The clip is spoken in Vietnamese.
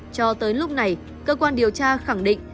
cho tới lúc này cơ quan điều tra khẳng định